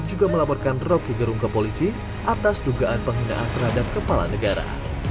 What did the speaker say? juga melaporkan roky gerung ke polisi atas dugaan penghinaan terhadap kepala negara